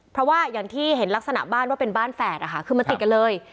เพราะว่าอย่างที่เห็นลักษณะบ้านว่าเป็นบ้านแฝดนะคะคือมันติดกันเลย